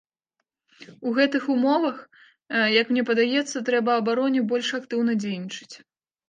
У гэтых умовах, як мне падаецца, трэба абароне больш актыўна дзейнічаць.